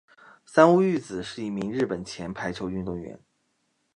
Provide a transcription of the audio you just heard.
三屋裕子是一名日本前排球运动员。